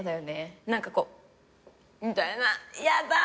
何かこうみたいなやだ。